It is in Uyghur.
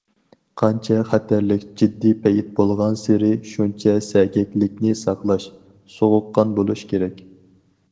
قانچە خەتەرلىك- جىددىي پەيت بولغانسېرى، شۇنچە سەگەكلىكنى ساقلاش، سوغۇققان بولۇش كېرەك.